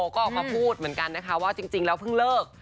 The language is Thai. ก็ออกมาพูดเหมือนกันนะคะว่าจริงแล้วเพิ่งเลิก